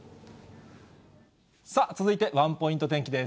さあ、続いて、ワンポイント天気です。